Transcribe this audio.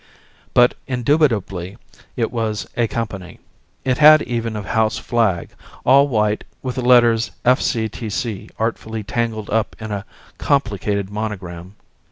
But indubitably it was a company, it had even a house flag, all white with the letters F.C.T.C. artfully tangled up in a complicated monogram.